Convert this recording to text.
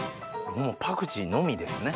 もうパクチーのみですね。